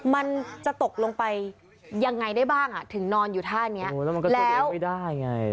มันจะตกลงไปยังไงได้บ้างถึงนอนอยู่ท่านี้